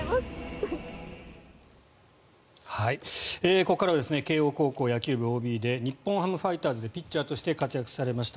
ここからは慶応高校野球部ＯＢで日本ハムファイターズでピッチャーとして活躍されました